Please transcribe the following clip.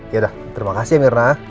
yaudah terima kasih ya mirna